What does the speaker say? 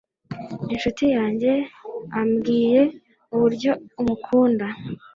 inshuti yanjye ambwiye uburyo umukunda